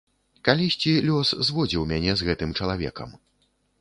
Калісьці лёс зводзіў мяне з гэтым чалавекам.